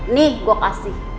nih gua kasih